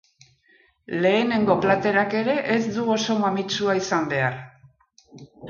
Lehenengo platerak ere ez du oso mamitsua izan behar.